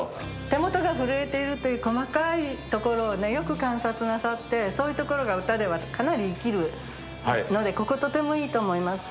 「手元がふるえている」という細かいところをよく観察なさってそういうところが歌ではかなり生きるのでこことてもいいと思います。